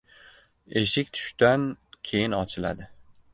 Eshik tushdan keyin ochiladi.